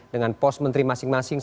dengan pos menteri masing masing